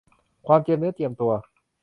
ความเจียมเนื้อเจียมตัว